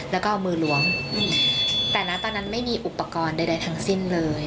แล้วก็เอามือล้วงแต่นะตอนนั้นไม่มีอุปกรณ์ใดทั้งสิ้นเลย